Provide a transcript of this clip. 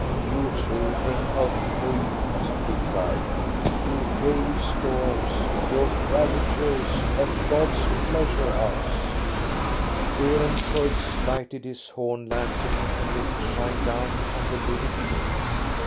You children of hate," he cried, " you hail storms, you ravagers of God's pleasure house !" Beerencreutz lighted his horn lantern and let it shine down on the livid face.